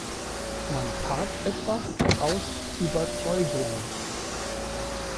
Man tat etwas aus Überzeugung.